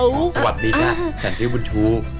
สวัสดีค่ะฉันชื่อบุญชู